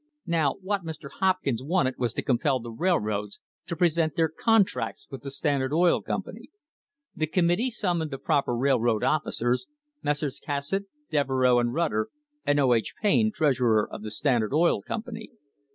Now what Mr. Hopkins wanted was to compel the railroads to present their contracts with the Standard Oil Company. The Com mittee summoned the proper railroad officers, Messrs. Cassatt, Devereux and Rutter, and O. H. Payne, treasurer of the Standard Oil Company.